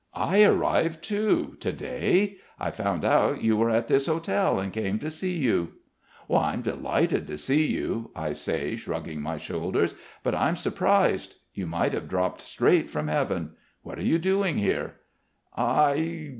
I arrived too ... to day. I found out you were at this hotel, and came to see you." "I'm delighted to see you," I say shrugging my shoulders. "But I'm surprised. You might have dropped straight from heaven. What are you doing here?" "I?...